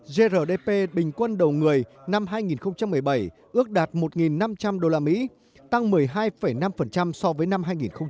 grdp bình quân đầu người năm hai nghìn một mươi bảy ước đạt một năm trăm linh usd tăng một mươi hai năm so với năm hai nghìn một mươi bảy